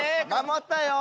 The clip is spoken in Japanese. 守ったよ。